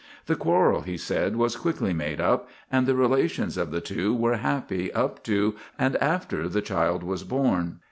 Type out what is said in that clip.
The quarrel, he said, was quickly made up and the relations of the two were happy up to and after the child was born.